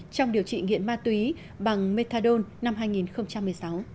trong điều trị nghiện ma túy bằng methadone năm hai nghìn một mươi sáu